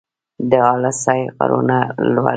د اله سای غرونه لوړ دي